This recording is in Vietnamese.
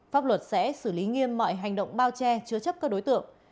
pháp luật sẽ xử lý nghiêm mọi hành động bao che chứa chấp các đối tượng